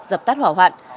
dập tắt hỏa hoạn